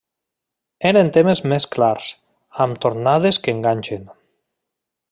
Eren temes més clars, amb tornades que enganxen.